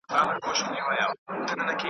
موږ الله جل جلاله انسانان کړو جماد يې نه کړو.